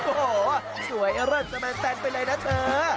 โอ้โฮสวยเยอะเริ่มแต่มันแปลนไปเลยนะเถอะ